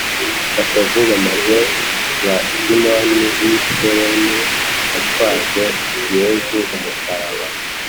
gatovu bameze nka simoni w’i sirene watwaje yezu umusalaba